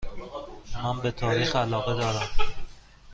من به تاریخ علاقه دارم.